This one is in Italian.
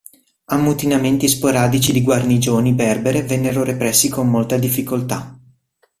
Ammutinamenti sporadici di guarnigioni berbere vennero repressi con molta difficoltà.